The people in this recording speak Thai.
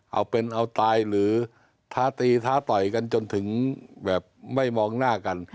เอาเป็นเอาตายหรือท้าตีท้าต่อยกันจนถึงแบบไม่มองหน้ากัน